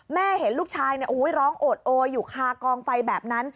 เห็นลูกชายร้องโอดโออยู่คากองไฟแบบนั้น